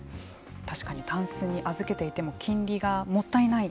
確かに、たんすに預けていても金利がもったいない。